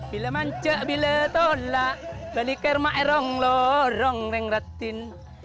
bila mancak bila tolak balik ke rumah erong lorong rengratin